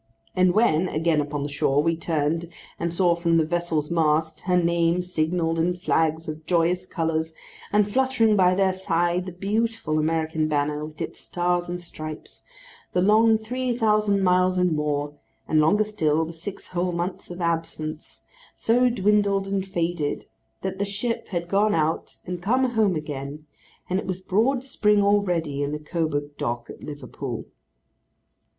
And when, again upon the shore, we turned and saw from the vessel's mast her name signalled in flags of joyous colours, and fluttering by their side the beautiful American banner with its stars and stripes,—the long three thousand miles and more, and, longer still, the six whole months of absence, so dwindled and faded, that the ship had gone out and come home again, and it was broad spring already in the Coburg Dock at Liverpool.